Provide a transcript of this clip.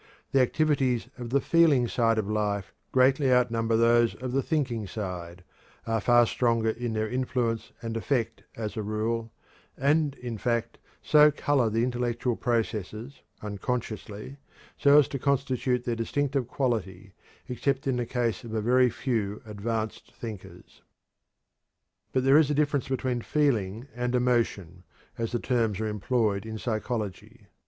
The activities of the "feeling" side of life greatly outnumber those of the "thinking" side, are far stronger in their influence and effect, as a rule, and, in fact, so color the intellectual processes, unconsciously, as to constitute their distinctive quality except in the case of a very few advanced thinkers. But there is a difference between "feeling" and "emotion," as the terms are employed in psychology.